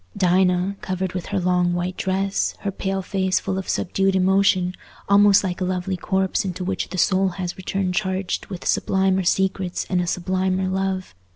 Dinah, covered with her long white dress, her pale face full of subdued emotion, almost like a lovely corpse into which the soul has returned charged with sublimer secrets and a sublimer love.